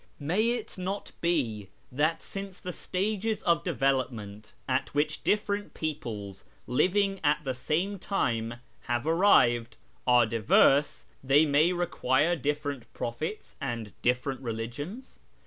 May it not be that since the stages of development at wliicli different peoples living at the same time have arrived ire diverse, they may require different prophets and different ■eligions